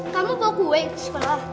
kamu bawa kue ke sekolah